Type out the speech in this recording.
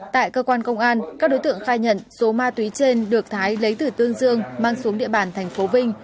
tại cơ quan công an các đối tượng khai nhận số ma túy trên được thái lấy từ tương dương mang xuống địa bàn thành phố vinh